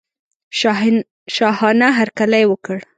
شاهانه هرکلی وکړ.